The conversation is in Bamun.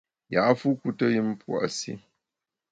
Ya’fu kuteyùm pua’ si.